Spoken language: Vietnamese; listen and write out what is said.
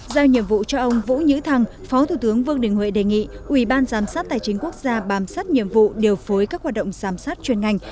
giao nhiệm vụ cho ông vũ nhữ thăng phó thủ tướng vương đình huệ đề nghị ủy ban giám sát tài chính quốc gia bám sát nhiệm vụ điều phối các hoạt động giám sát chuyên ngành